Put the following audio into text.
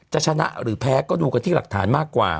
จะชนะหรือแพ้ก็ดูกันที่หลักฐานมากกว่า